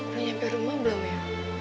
mau nyampe rumah belum ya